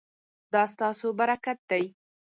دا ستاسو برکت دی